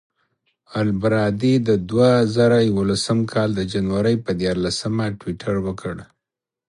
البرادعي د دوه زره یولسم کال د جنورۍ پر دیارلسمه ټویټر وکړ.